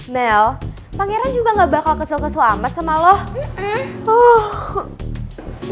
mel pangeran juga tidak akan kesel keselamat dengan kamu